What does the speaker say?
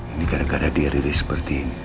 ini gara gara dia riri seperti ini